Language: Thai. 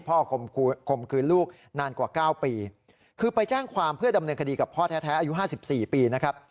คมคืนลูกนานกว่า๙ปีคือไปแจ้งความเพื่อดำเนินคดีกับพ่อแท้อายุ๕๔ปีนะครับ